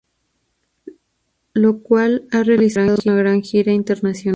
Lo cual han realizado una gran gira internacional.